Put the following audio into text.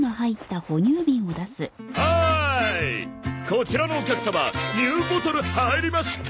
こちらのお客様ニューボトル入りました！